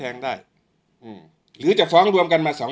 ช่างแอร์เนี้ยคือล้างหกเดือนครั้งยังไม่แอร์